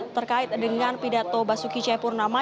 terkait dengan pidato basuki cahaya purnama